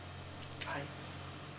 はい。